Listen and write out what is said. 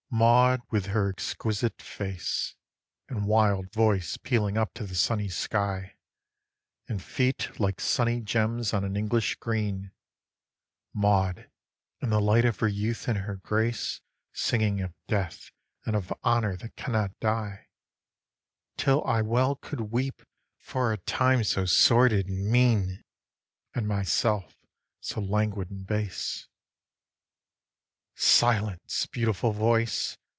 2. Maud with her exquisite face. And wild voice pealing up to the sunny sky, And feet like sunny gems on an English green, Maud in the light of her youth and her grace, Singing of Death, and of Honour that cannot die, Till I well could weep for a time so sordid and mean, And myself so languid and base. 3. Silence, beautiful voice!